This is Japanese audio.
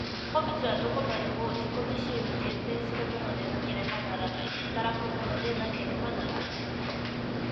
個物はどこまでも自己自身を限定するものでなければならない、働くものでなければならない。